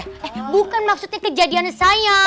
eh bukan maksudnya kejadiannya saya